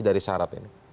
dari syarat ini